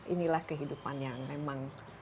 inilah kehidupan yang memang